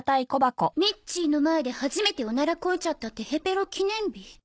「ミッチーの前で初めてオナラこいちゃったテヘペロ記念日」？